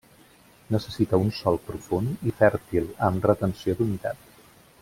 Necessita un sòl profund i fèrtil, amb retenció d'humitat.